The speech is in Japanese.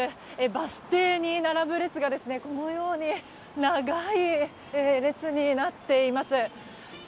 バス停に並ぶ列が、このように長い列になっています。